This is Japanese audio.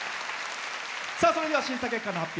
それでは、審査結果の発表